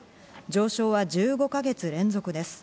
上昇は１５か月連続です。